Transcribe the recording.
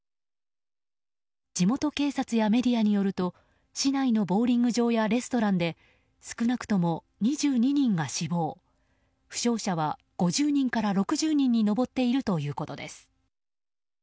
地元警察やメディアによると市内のボウリング場やレストランで少なくとも２２人が死亡負傷者は５０人から６０人に上っているということです。